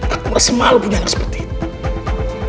aku merasa malu punya anak seperti itu